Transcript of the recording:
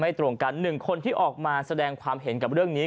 ตรงกัน๑คนที่ออกมาแสดงความเห็นกับเรื่องนี้